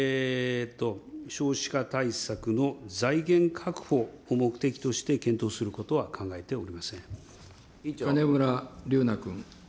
少子化対策の財源確保を目的として検討することは考えておりませ金村龍那君。